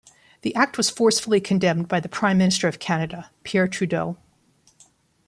The act was forcefully condemned by the Prime Minister of Canada, Pierre Trudeau.